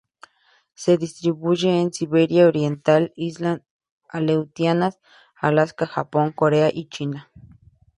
Se distribuye en Siberia oriental, Islas Aleutianas, Alaska, Japón, Corea y China.